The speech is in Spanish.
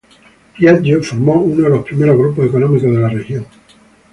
Piaggio formó uno de los primeros grupos económicos de la región.